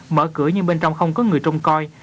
mở cửa nhưng bên trong không có người trông coi